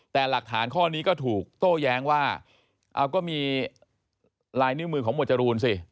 แต่หลักฐานข้อนี้ก็ถูกโต้แย้งว่าเอาก็มีลายนิ้วมือของหมวดจรูนสิ